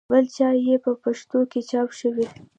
بل چاپ یې په پېښور کې چاپ شوی.